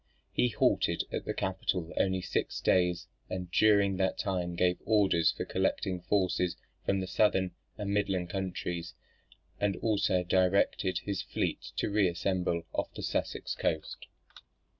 He halted at the capital only six days; and during that time gave orders for collecting forces from his southern and midland counties, and also directed his fleet to reassemble off the Sussex coast.